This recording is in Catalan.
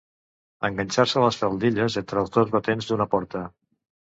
Enganxar-se les faldilles entre els dos batents d'una porta.